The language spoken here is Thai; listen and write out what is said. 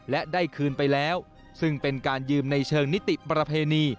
และได้คืนไปแล้วซึ่งเป็นการยืมในเชิงนิติประเพณี